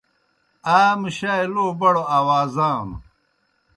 اسا مُشائےلو بڑوْ اوازانوْ۔